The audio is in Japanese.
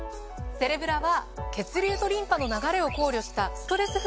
セレブラは血流とリンパの流れを考慮したストレス